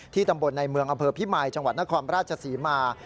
ตำบลในเมืองอำเภอพิมายจังหวัดนครราชศรีมา